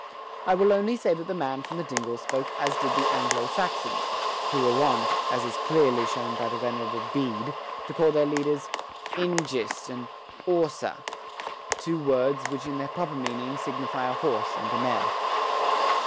I will only say that the man from the dingle spoke as did the Anglo Saxons, who were wont, as is clearly shown by the venerable Bede, to call their leaders 'Enjist and 'Orsa, two words which in their proper meaning signify a horse and a mare.